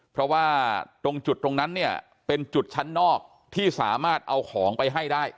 เพราะว่าตรงจุดตรงนั้นเนี่ยเป็นจุดชั้นนอกที่สามารถเอาของไปให้ได้